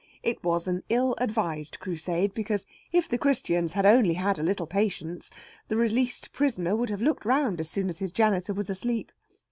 It was an ill advised Crusade, because if the Christians had only had a little patience, the released prisoner would have looked round as soon as his janitor was asleep.